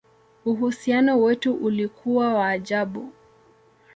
Uhusiano wetu ulikuwa wa ajabu!